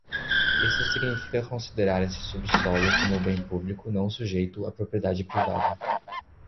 Isto significa considerar este subsolo como um bem público não sujeito à propriedade privada.